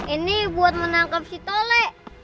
ini buat menangkap si tole